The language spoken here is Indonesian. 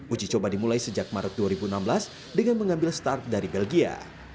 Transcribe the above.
uji coba dimulai sejak maret dua ribu enam belas dengan mengambil start dari belgia